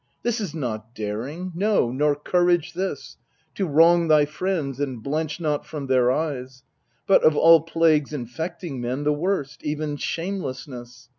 This is not daring, no, nor courage this, To wrong thy friends, and blench not from their eyes, But, of all plagues infecting men, the worst, Even shamelessness.